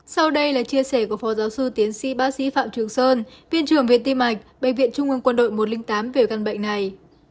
sau đây là chia sẻ của phó giáo sư tiến sĩ bác sĩ phạm trường sơn viện trưởng viện tim mạch bệnh viện trung ương quân đội một trăm linh tám về căn bệnh này